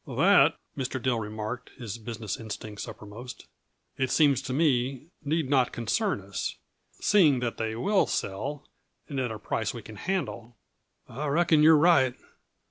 "That," Mr. Dill remarked, his business instincts uppermost, "it seems to me, need not concern us seeing that they will sell, and at a price we can handle." "I reckon you're right.